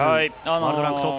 ワールドランクトップ。